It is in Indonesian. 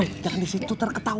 doy jangan di situ terketawa